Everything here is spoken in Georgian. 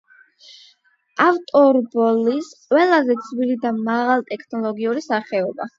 ავტორბოლის ყველაზე ძვირი და მაღალტექნოლოგიური სახეობა.